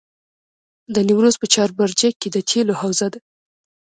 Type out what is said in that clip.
د نیمروز په چاربرجک کې د تیلو حوزه ده.